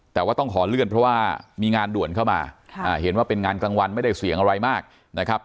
แต่ว่าต้องขอเลื่อนเพราะว่ามีงานด่วนเข้ามาเห็นว่าเป็นงานกลางวันไม่ได้เสี่ยงอะไรมากนะครับ